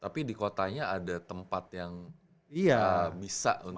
tapi di kotanya ada tempat yang bisa untuk